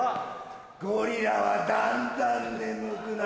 ゴリラはだんだん眠くなる。